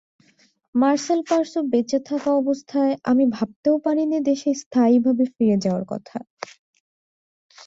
মারসেল Marceau বেঁচে থাকা অবস্থায় আমি ভাবতেও পারিনি দেশে স্থায়ীভাবে ফিরে যাওয়ার কথা।